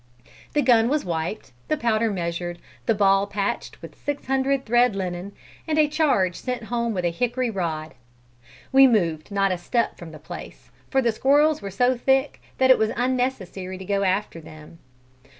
"The gun was wiped, the powder measured, the ball patched with six hundred thread linen, and a charge sent home with a hickory rod. We moved not a step from the place, for the squirrels were so thick, that it was unnecessary to go after them.